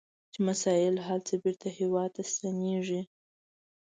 چې مسایل حل شي بیرته هیواد ته ستنیږي.